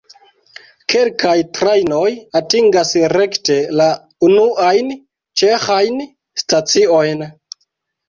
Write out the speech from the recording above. Kelkaj trajnoj atingas rekte la unuajn ĉeĥajn staciojn.